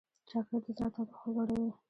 چاکلېټ د زړه تودوخه لوړوي.